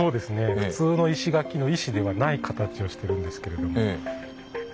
普通の石垣の石ではない形をしてるんですけれど。